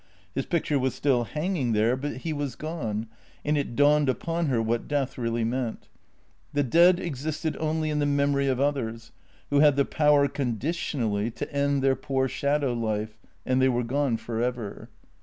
His picture was still hanging there, but he was gone, and it dawned upon her what death really meant. The dead existed only in the mem ory of others, who had the power conditionally to end their poor shadow life — and they were gone for ever.